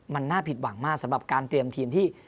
มันน่าผิดหวังมากสำหรับการเตรียมทีมที่